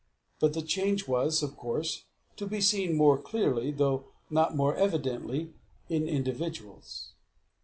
But the change was, of course, to be seen more clearly, though not more evidently, in individuals.